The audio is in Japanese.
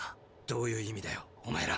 どういう意味だよおまえら。